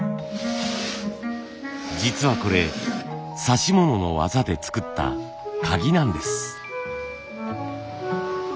実はこれ指物の技で作った鍵なんです。